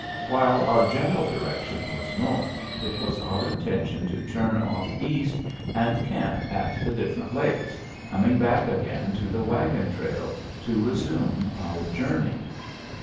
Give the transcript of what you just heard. While our general direction was north, it was our intention to turn off east and camp at the different lakes, coming back again to the wagon trail to resume our journey.